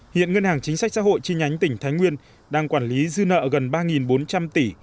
hiện ngân hàng chính sách xã hội chi nhánh tỉnh thái nguyên đang quản lý dư nợ gần ba bốn trăm linh tỷ